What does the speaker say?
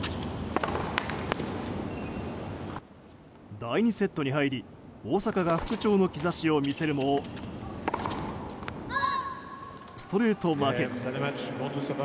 第２セットに入り大坂が復調の兆しを見せるもストレート負け。